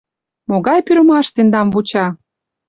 Могай пӱрымаш тендам вуча?